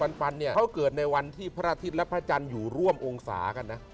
ฟันเนี่ยเขาเกิดในวันที่พระอาทิตย์และพระจันทร์อยู่ร่วมองศากันนะ